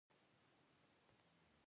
لنګر نه درلود.